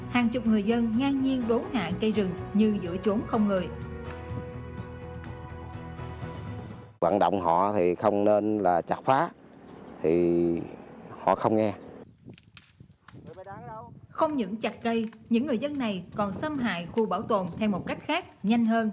hãy đăng ký kênh để ủng hộ kênh của chúng mình nhé